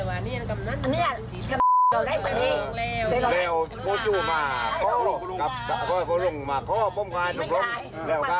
อันนี้อ่ะรู้เลยเอาแต่ก็เร็ว